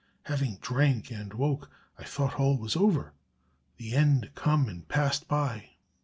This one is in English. Having drank and woke, I thought all was over: the end come and passed by.